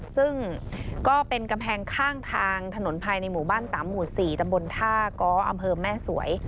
ซึ่งก็เป็นกำแพงข้างทางถนนภายในหมู่บ้านตำหมู่๔ตำบลท่าก้ออำเภอแม่สวย